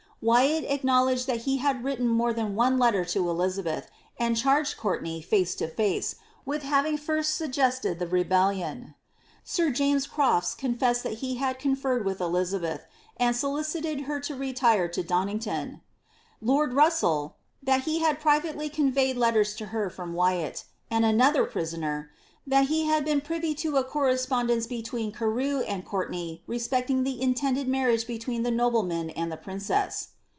^ Wyat acknowledged that he had written more than one letter to Elizabeth, and charged Courtenay, face to face, with having first suggested the rebellion. Sir James Crofts confessed ^that he had conferred with Elizabeth, and solicited her to retire to Donnington ;" Lord Russell, " that he had privately conveyed letters to her from Wyat ;" and another prisoner, " that he had been privy to * Mackintosh ; Lingard ; Tytler. * Kempo's Losely MSS. • Lingards Elizabeth, Hist. Bng., vol vii 64 ■LII4BBTH. a correspondence between Oirew and Goiirtenay respecting the iDtended marriage between that nobleman and the princesn."